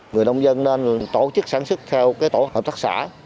người nông dân nên tổ chức sản xuất theo tổ hợp tác xã